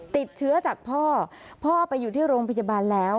ติดเชื้อจากพ่อพ่อไปอยู่ที่โรงพยาบาลแล้ว